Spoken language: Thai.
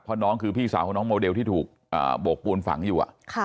เพราะน้องคือพี่สาวของน้องโมเดลที่ถูกโบกปูนฝังอยู่